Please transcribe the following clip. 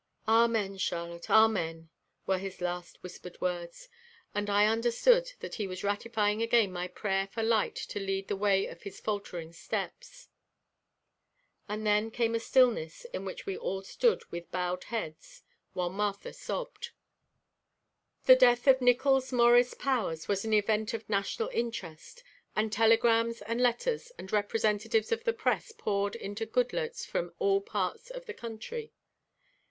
"Amen, Charlotte, amen," were his last whispered words and I understood that he was ratifying again my prayer for light to lead the way of his faltering steps. And then came a stillness in which we all stood with bowed heads while Martha sobbed. The death of Nickols Morris Powers was an event of national interest and telegrams and letters and representatives of the press poured into Goodloets from all parts of the country.